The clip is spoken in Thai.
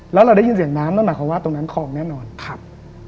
แล้วเราได้ยินเสียงน้ำนั่นหมายความว่าตรงนั้นคลองแน่นอนครับ